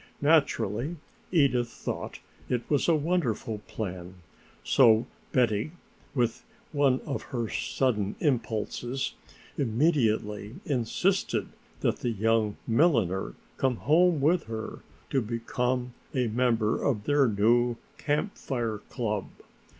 Naturally Edith thought it a wonderful plan, so Betty, with one of her sudden impulses, immediately insisted that the young milliner come home with her to become a member of their new Camp Fire club.